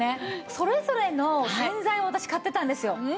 それぞれの洗剤を私買ってたんですよ。